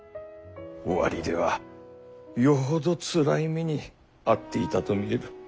尾張ではよほどつらい目に遭っていたと見える。